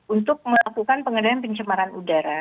untuk melakukan pengendalian pencemaran udara